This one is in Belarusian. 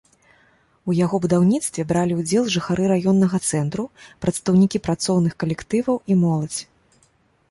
У яго будаўніцтве бралі ўдзел жыхары раённага цэнтру, прадстаўнікі працоўных калектываў і моладзь.